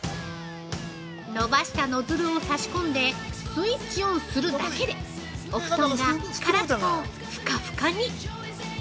◆伸ばしたノズルを差し込んで、スイッチオンするだけで、お布団が、カラッとふかふかに！